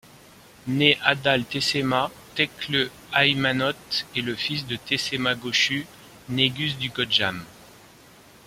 Né Adal Tessema, Tekle Haymanot est le fils de Tessemma Goshu, Négus du Godjam.